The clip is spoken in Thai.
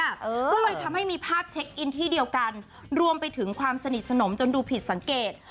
ก็เลยทำให้มีภาพเช็คอินที่เดียวกันรวมไปถึงความสนิทสนมจนดูผิดสังเกต